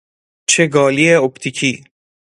چگالی اپتیکی